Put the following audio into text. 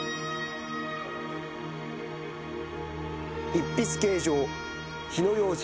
「一筆啓上火の用心